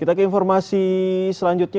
kita ke informasi selanjutnya